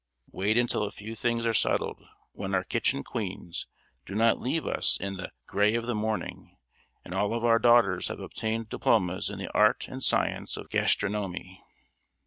Wait until a few things are settled; when our kitchen queens do not leave us in the "gray of the morning," and all of our daughters have obtained diplomas in the art and science of gastronomy.